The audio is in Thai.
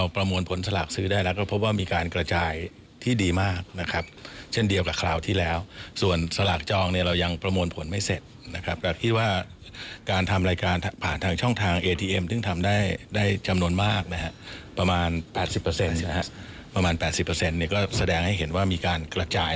ประมาณ๘๐นี่ก็แสดงให้เห็นว่ามีการกระจ่าย